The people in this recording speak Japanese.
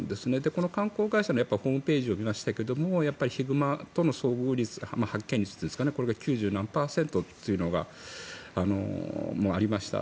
この観光会社のホームページを見ましたけれどもヒグマとの遭遇率発見率というかが９０何パーセントというのがありました。